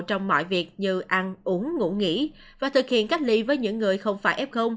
trong mọi việc như ăn uống ngủ nghỉ và thực hiện cách ly với những người không phải f